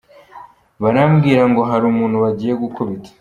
Barambwira ngo hari umuntu bagiye gukubita.